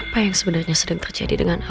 apa yang sebenarnya sering terjadi dengan al